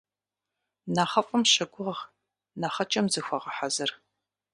Нэхъыфӏым щыгугъ, нэхъыкӏэм зыхуэгъэхьэзыр.